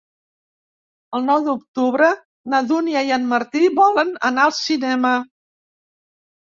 El nou d'octubre na Dúnia i en Martí volen anar al cinema.